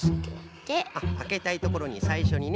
あけたいところにさいしょにね。